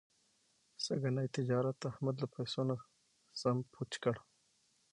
سږني تجارت احمد له پیسو نه سم پوچ کړ.